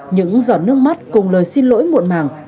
những giọt nước mắt cùng lời xin lỗi muộn màng